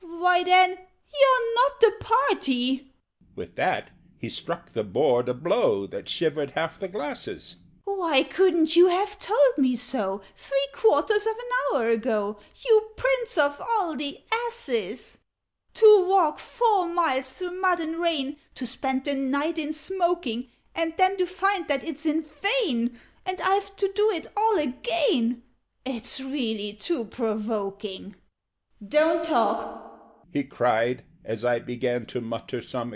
"Why, then YOU'RE NOT THE PARTY!" With that he struck the board a blow That shivered half the glasses. "Why couldn't you have told me so Three quarters of an hour ago, You prince of all the asses? "To walk four miles through mud and rain, To spend the night in smoking, And then to find that it's in vain And I've to do it all again It's really too provoking! "Don't talk!"